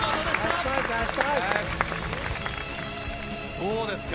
どうですか？